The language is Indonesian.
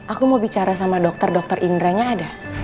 aku mau bicara sama dokter dokter indranya ada